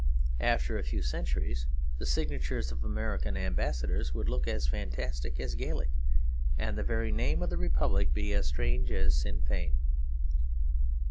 After a few centuries the signatures of American ambassadors would look as fantastic as Gaelic, and the very name of the Republic be as strange as Sinn Fein.